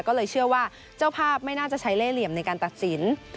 ก็เลยเชื่อว่าเจ้าภาพไม่น่าจะใช้เล่เหลี่ยมในการตัดสิน